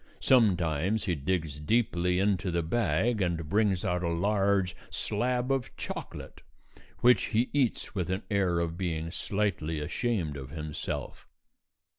Sometimes he digs deeply into the bag and brings out a large slab of chocolate, which he eats with an air of being slightly ashamed of himself.